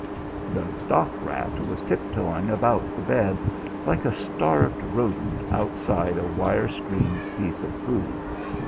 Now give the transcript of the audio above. The dock rat was tip toeing about the bed, like a starved rodent outside a wire screened piece of food.